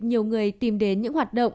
nhiều người tìm đến những hoạt động